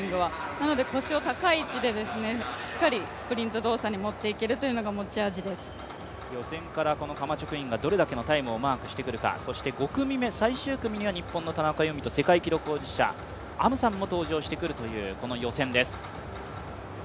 なので腰を高い位置でしっかりスプリント動作に持っていけるというのが予選からカマチョクインがどれだけのタイムをマークしてくるか、そして５組目、最終組には日本の田中佑美と、世界記録保持者、アムサンも登場してくるという予選です。